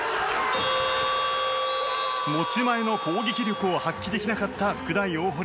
持ち前の攻撃力を発揮できなかった福大大濠。